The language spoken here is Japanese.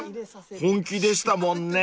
本気でしたもんね］